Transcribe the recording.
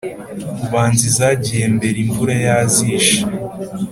ubanza izagiye mbere imvura yazishe.